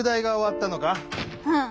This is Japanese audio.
うん。